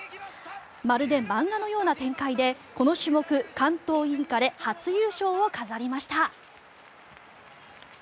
まるで漫画のような展開でこの種目、関東インカレ初優勝を飾りました。